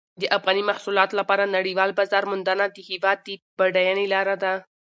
د افغاني محصولاتو لپاره نړیوال بازار موندنه د هېواد د بډاینې لاره ده.